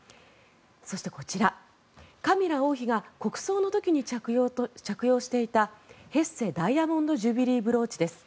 そしてこちら、カミラ王妃が国葬の時に着用していたヘッセ・ダイヤモンド・ジュビリー・ブローチです。